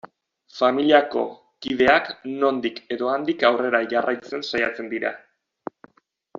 Familiako kideak nondik edo handik aurrera jarraitzen saiatzen dira.